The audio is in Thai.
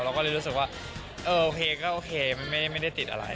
เราก็เลยรู้สึกว่าเออโอเคก็โอเคไม่ได้ติดอะไร